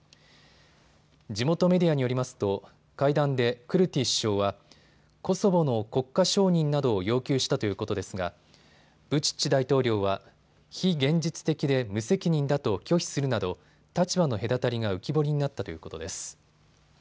地元メディアによりますと会談でクルティ首相はコソボの国家承認などを要求したということですがブチッチ大統領は非現実的で無責任だと拒否するなど立場の隔たりが浮き彫りになったということです。